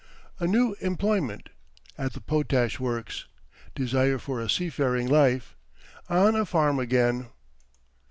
A New Employment At the Potash Works Desire for a Seafaring Life On a Farm again.